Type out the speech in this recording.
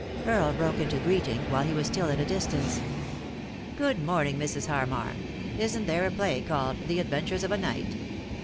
Earle broke into greeting while he was still at a distance. " Good morning, Mrs. Harmar. Isn't there a play called 'The Adventures of a Night'